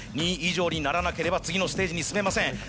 ２位以上にならなければ次のステージに進めません。